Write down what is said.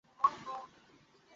আজরাতে আমাকে ঘুমাতে হবে।